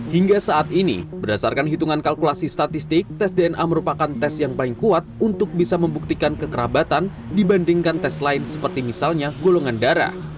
hingga saat ini berdasarkan hitungan kalkulasi statistik tes dna merupakan tes yang paling kuat untuk bisa membuktikan kekerabatan dibandingkan tes lain seperti misalnya golongan darah